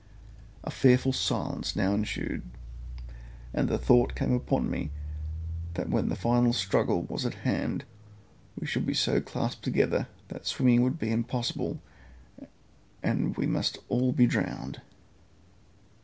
A fearful silence now ensued, and the thought came upon me that when the final struggle was at hand we should be so clasped together that swimming would be impossible and we must all be drowned.